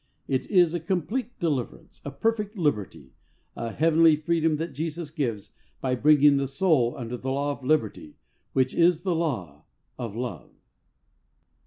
It is a complete deliver ance, a perfect liberty, a heavenly freedom that Jesus gives, by bringing the soul under the law of liberty, which is the law of Love.